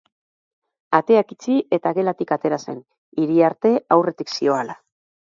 Ateak itxi eta gelatik atera zen, Iriarte aurretik zihoala.